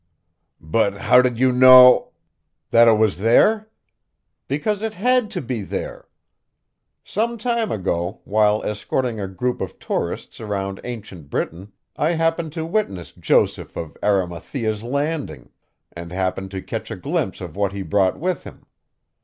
"But how did you know " "That it was there? Because it had to be there. Some time ago, while escorting a group of tourists around ancient Britain, I happened to witness Joseph of Arimathea's landing and happened to catch a glimpse of what he brought with him.